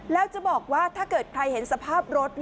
แล้วจะบอกว่าถ้าเกิดใครเห็นสภาพรถ